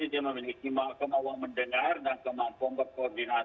dia memiliki kemampuan mendengar dan kemampuan berkoordinasi